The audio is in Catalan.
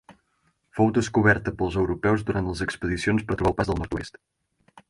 Fou descoberta pels europeus durant les expedicions per trobar el Pas del Nord-oest.